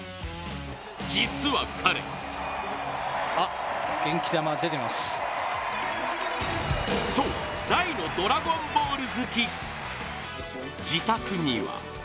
実は、彼そう大の「ドラゴンボール」好き。